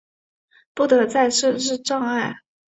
不得再设置障碍